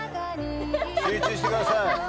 集中してください。